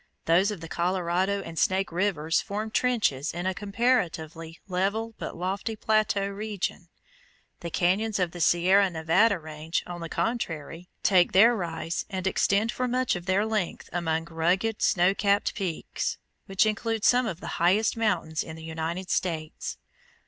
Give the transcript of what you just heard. Those of the Colorado and Snake rivers form trenches in a comparatively level but lofty plateau region. The cañons of the Sierra Nevada Range, on the contrary, take their rise and extend for much of their length among rugged snowcapped peaks which include some of the highest mountains in the United States.